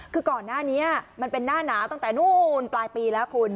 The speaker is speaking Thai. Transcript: คือก่อนหน้านี้มันเป็นหน้าหนาวตั้งแต่นู้นปลายปีแล้วคุณ